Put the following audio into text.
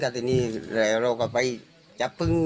กลับมาติดพุ้ง